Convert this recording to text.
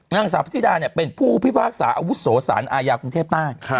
นางสาวพะนิดานี่เป็นผู้พิพากษาอาวุศโสรศาลอายาวกรุงเทพฯต้าน